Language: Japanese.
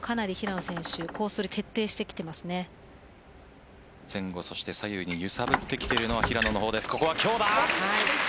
取り前後そして左右に揺さぶってきているのは平野です。